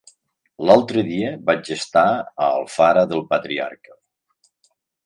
L'altre dia vaig estar a Alfara del Patriarca.